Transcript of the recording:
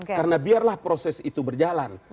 karena biarlah proses itu berjalan